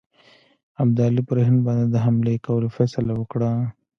ابدالي پر هند باندي د حملې کولو فیصله وکړه.